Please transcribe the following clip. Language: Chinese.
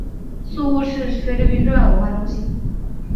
宿雾市是菲律宾重要的文化中心。